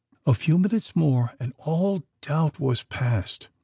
A few minutes more—and all doubt was past!